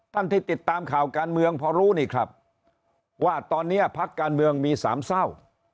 ที่ติดตามข่าวการเมืองพอรู้นี่ครับว่าตอนนี้พักการเมืองมีสามเศร้า